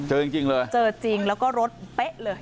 เจอจริงเลยเจอจริงแล้วก็รถเป๊ะเลย